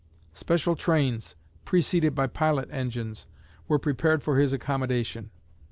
Special trains, preceded by pilot engines, were prepared for his accommodation.